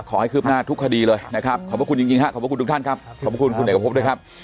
คืบหน้าทุกคดีเลยนะครับขอบพระคุณจริงฮะขอบพระคุณทุกท่านครับขอบคุณคุณเอกพบด้วยครับ